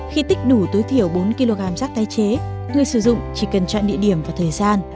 khi tích đủ tối thiểu bốn kg rác tái chế người sử dụng chỉ cần chọn địa điểm và thời gian